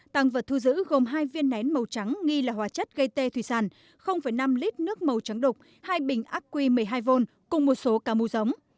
tăng vật thu giữ gồm hai viên nén màu trắng nghi là hóa chất gây tê thủy sản năm lít nước màu trắng đục hai bình ác quy một mươi hai v cùng một số ca mù giống